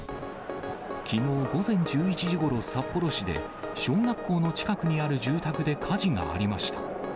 きのう午前１１時ごろ、札幌市で、小学校の近くにある住宅で火事がありました。